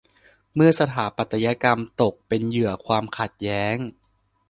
เมื่อสถาปัตยกรรมตกเป็นเหยื่อความขัดแย้ง